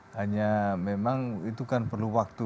hanya memang itu kan perlu waktu